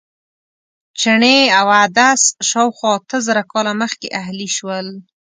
چڼې او عدس شاوخوا اته زره کاله مخکې اهلي شول.